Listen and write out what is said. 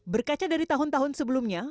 berkaca dari tahun tahun sebelumnya